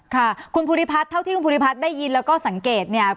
ค่ะคุณภูริพัฒน์เท่าที่คุณภูริพัฒน์ได้ยินแล้วก็สังเกตเนี่ย